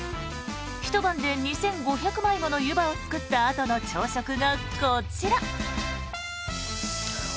ひと晩で２５００枚もの湯葉を作ったあとの朝食がこちら。